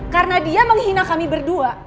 karena dia menghina kami berdua